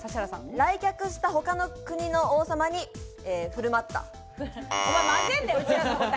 来客した他の国の王様に振る違います。